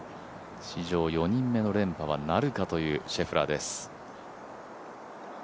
史上４人目の連覇はなるかというシェフラーです。